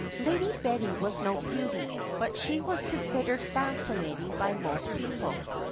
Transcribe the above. "Lady Betty was no beauty, but she was considered fascinating by most people.